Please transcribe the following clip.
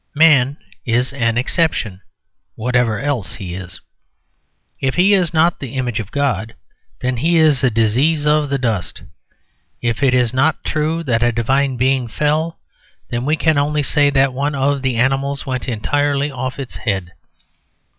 Man is an exception, whatever else he is. If he is not the image of God, then he is a disease of the dust. If it is not true that a divine being fell, then we can only say that one of the animals went entirely off its head.